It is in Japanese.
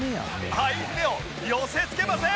相手を寄せつけません！